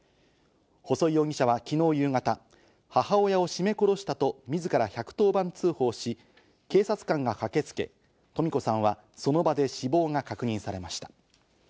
細井容疑者は昨日夕方、母親を絞め殺したと自ら１１０番通報し、警察官が駆けつけ、登美子さんはその場で死亡が確認されました。